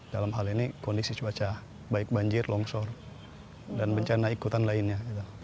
dalam hal ini kondisi cuaca baik banjir longsor dan bencana ikutan lainnya